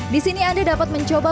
di sini anda dapat mencoba